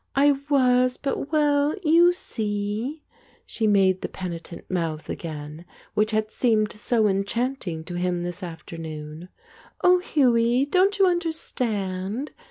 "I was. But, well, you see " She made the penitent mouth again, which had seemed so enchanting to him this afternoon. "Oh, Hughie, don't you understand?"